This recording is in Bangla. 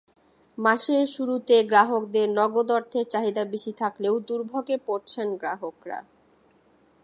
মাসের শুরুতে গ্রাহকদের নগদ অর্থের চাহিদা বেশি থাকলেও দুর্ভোগে পড়ছেন গ্রাহকেরা।